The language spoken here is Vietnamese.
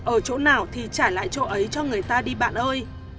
ở chỗ nào thì trả lại chỗ ấy cho người ta đi bạn ơi